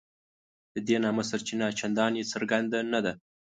د دې نامه سرچینه چنداني څرګنده نه ده.